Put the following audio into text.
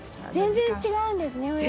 全然違うんですね